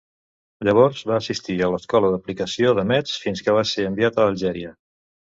Llavors va assistir a l'Escola d'Aplicació de Metz fins que va ser enviat a Algèria.